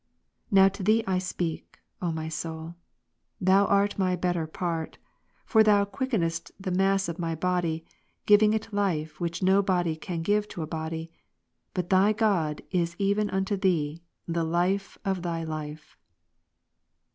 Now to thee I speak, O my soul, thou art my better part : for thou quickenest the mass of my body, giving it life, which no body can give to a body : but thy God is even unto thee the Life of thy life.